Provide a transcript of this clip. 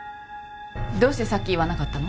どうしてさっき言わなかったの？